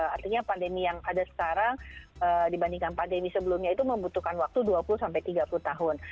artinya pandemi yang ada sekarang dibandingkan pandemi sebelumnya itu membutuhkan waktu dua puluh tiga puluh tahun